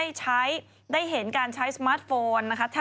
พี่ชอบแซงไหลทางอะเนาะ